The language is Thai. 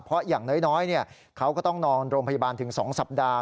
เพราะอย่างน้อยเขาก็ต้องนอนโรงพยาบาลถึง๒สัปดาห์